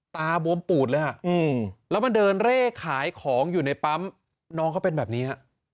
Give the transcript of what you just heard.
บวมปูดเลยแล้วมาเดินเร่ขายของอยู่ในปั๊มน้องเขาเป็นแบบนี้ฮะ